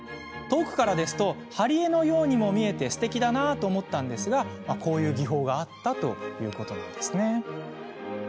遠くからだと貼り絵のようにも見えてすてきだなと思ったんですがこういう技法があったんですね。